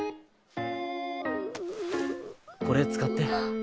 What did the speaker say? これ使って。